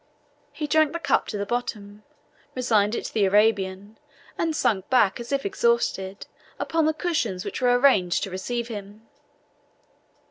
He drained the cup to the bottom, resigned it to the Arabian, and sunk back, as if exhausted, upon the cushions which were arranged to receive him.